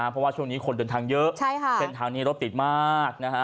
เพราะว่าช่วงนี้คนเดินทางเยอะเส้นทางนี้รถติดมากนะฮะ